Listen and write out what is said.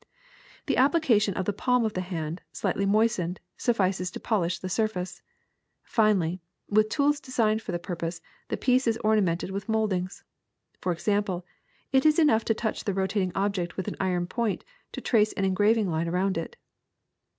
The application of the palm of the hand, slightly moistened, suffices to polish the surface. Finally, with tools designed for the purpose the piece is orna mented with moldings. For example, it is enough to touch the rotating object with an iron point to trace an engraved line around it.